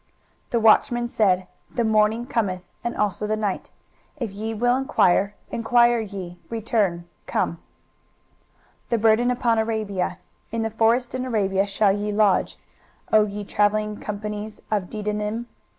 23:021:012 The watchman said, The morning cometh, and also the night: if ye will enquire, enquire ye: return, come. 23:021:013 The burden upon Arabia. In the forest in Arabia shall ye lodge, O ye travelling companies of Dedanim.